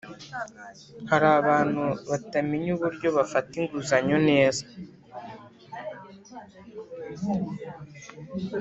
Harabantu batamenya uburyo bafata inguzanyo neza